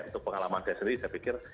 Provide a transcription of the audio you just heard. itu pengalaman saya sendiri saya pikir